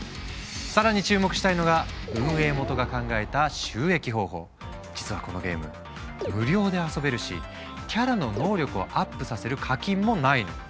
更に注目したいのが実はこのゲーム無料で遊べるしキャラの能力をアップさせる課金もないの。